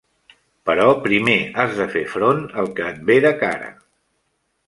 Però primer has de fer front al que et ve de cara!